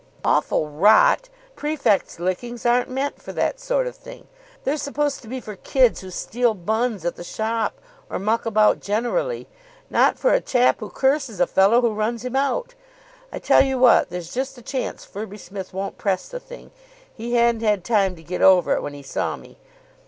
"Awful rot. Prefects' lickings aren't meant for that sort of thing. They're supposed to be for kids who steal buns at the shop or muck about generally. Not for a chap who curses a fellow who runs him out. I tell you what, there's just a chance Firby Smith won't press the thing. He hadn't had time to get over it when he saw me.